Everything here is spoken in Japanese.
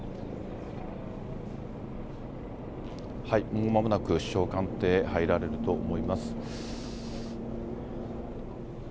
もうまもなく首相官邸入られると思います。